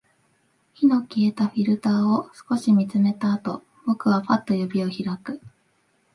火の消えたフィルターを少し見つめたあと、僕はパッと指を開く